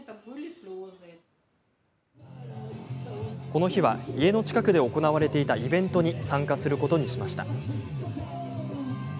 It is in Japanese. この日は、家の近くで行われていたイベントに参加することにしました。